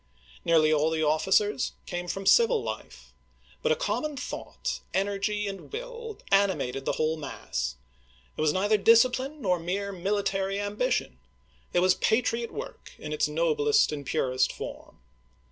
Nearly all the officers came from civil life; but a com mon thought, energy, and will animated the whole mass. It was neither discipline nor mere military ambition; it was patriot work in its noblest and purest form.